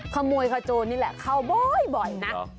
ขโมยขโจรนี่แหละเข้าบ่อยนะ